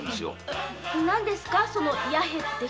何ですかその弥平って？